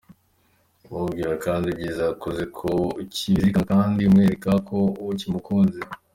Umubwira kandi ibyiza yakoze ko ukibizirikana kandi umwereka ko ukimukunze.